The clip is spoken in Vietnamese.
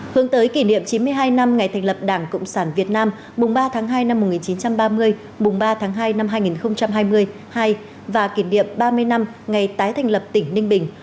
hướng tới kỷ niệm chín mươi hai năm ngày thành lập đảng cộng sản việt nam mùng ba tháng hai năm một nghìn chín trăm ba mươi mùng ba tháng hai năm hai nghìn hai mươi hai và kỷ niệm ba mươi năm ngày tái thành lập tỉnh ninh bình